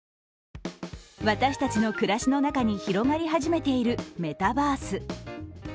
私たちの暮らしの中に広がり始めているメタバース。